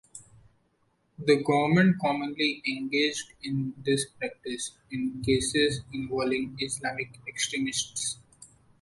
The government commonly engaged in this practice in cases involving Islamic extremists.